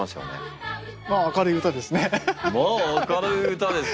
「明るい歌です」？